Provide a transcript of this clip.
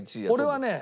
俺はね